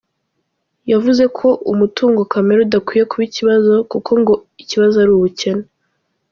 Yavuze ko umutungo kamere udakwiye kuba ikibazo, kuko ngo ikibazo ari ubukene.